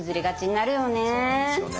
そうなんですよね。